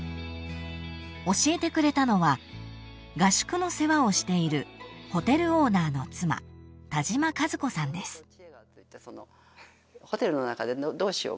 ［教えてくれたのは合宿の世話をしているホテルオーナーの妻田島和子さんです］